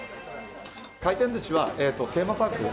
回転ずしは、テーマパーク。